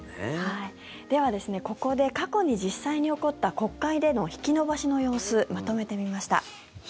では、ここで過去に実際に起こった国会での引き延ばしの様子まとめてみました。